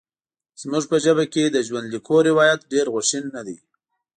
زموږ په ژبه کې د ژوندلیکونو روایت ډېر غوښین نه دی.